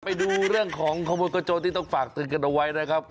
ไปดูเรื่องของขโมยกระโจนที่ต้องฝากเตือนกันเอาไว้นะครับ